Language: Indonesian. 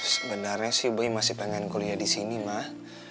sebenarnya sih boy masih pengen kuliah disini mah